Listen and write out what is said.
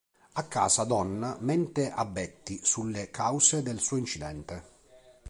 A casa, Don mente a Betty sulle cause del suo incidente.